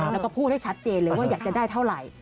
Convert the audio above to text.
แล้วก็พูดให้ชัดเจนเลยว่าอยากจะได้เท่าไหร่